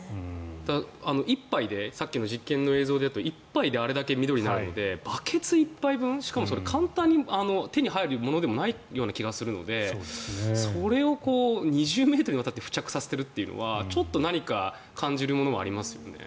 １杯でさっきの実験の映像だと１杯であれだけ緑になるので、バケツ１杯分しかも簡単に手に入るようなものでもない気がするのでそれを２０ｍにわたって付着させているというのはちょっと何か感じるものもありますよね。